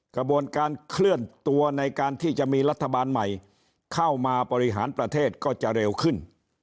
กระบวนการเคลื่อนตัวในการที่จะมีรัฐบาลใหม่เข้ามาบริหารประเทศก็จะเร็วขึ้น